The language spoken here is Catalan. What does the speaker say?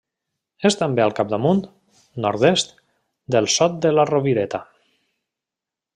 És també al capdamunt, nord-est, del Sot de la Rovireta.